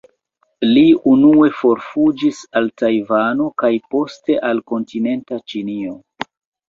Li unue forfuĝis al Tajvano kaj poste al kontinenta Ĉinio.